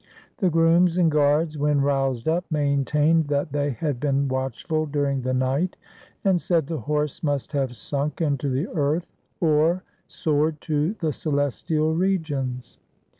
The grooms and guards, when roused up, maintained that they had been watchful during the night, and said the horse must have sunk into the earth or soared to the celestial regions.